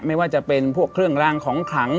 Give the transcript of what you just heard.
ไม่ว่าจะเป็นพวกเครื่องรางของขลัง